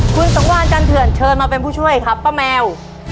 คุณสังวานจันเถื่อนเชิญมาเป็นผู้ช่วยครับป้าแมว